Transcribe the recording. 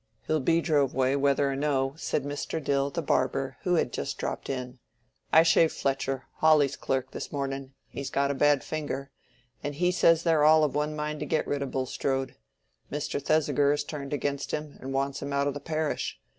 "He'll be drove away, whether or no," said Mr. Dill, the barber, who had just dropped in. "I shaved Fletcher, Hawley's clerk, this morning—he's got a bad finger—and he says they're all of one mind to get rid of Bulstrode. Mr. Thesiger is turned against him, and wants him out o' the parish.